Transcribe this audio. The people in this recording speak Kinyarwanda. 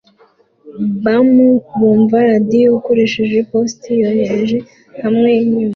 Bum kumva radio ukoresheje poste yoroheje hafi yinyanja